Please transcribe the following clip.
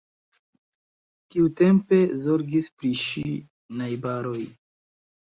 Tiutempe zorgis pri ŝi najbaroj.